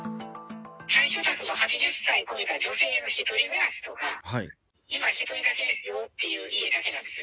対象宅は、８０歳を超えた女性の１人暮らしとか、今１人だけですよっていう家だけなんです。